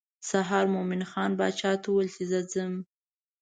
سهار مومن خان باچا ته وویل چې زه ځم.